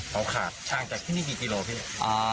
เขาขาดช่างจากที่นี่กี่กิโลพี่เนี่ย